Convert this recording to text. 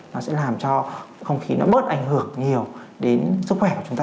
nó sẽ làm cho không khí nó bớt ảnh hưởng nhiều đến sức khỏe của chúng ta